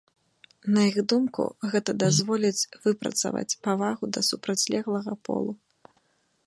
На іх думку, гэта дазволіць выпрацаваць павагу да супрацьлеглага полу.